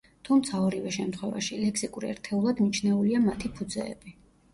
თუმცა, ორივე შემთხვევაში, ლექსიკურ ერთეულად მიჩნეულია მათი ფუძეები.